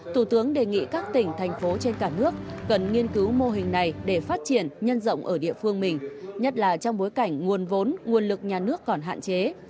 thủ tướng đề nghị các tỉnh thành phố trên cả nước cần nghiên cứu mô hình này để phát triển nhân rộng ở địa phương mình nhất là trong bối cảnh nguồn vốn nguồn lực nhà nước còn hạn chế